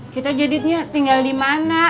kita jadinya tinggal dimana